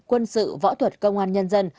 quân sự võ thuật công an nhân dân